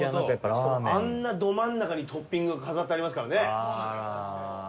しかもあんなど真ん中にトッピングが飾ってありますからね。